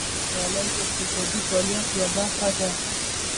غالۍ د اقتصادي فعالیت یوه برخه ده.